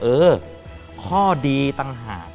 เออข้อดีต่างหาก